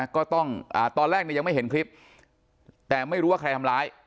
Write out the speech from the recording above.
ก็ต้องตอนแรกเนี่ยยังไม่เห็นคลิปแต่ไม่รู้ว่าใครทำร้าย